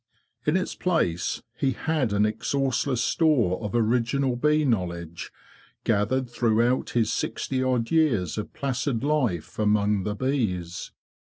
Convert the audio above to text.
In its place he had an exhaustless store of original bee knowledge, gathered through out his sixty odd years of placid life among the bees.